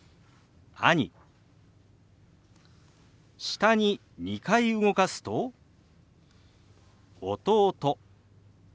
下に２回動かすと「弟」。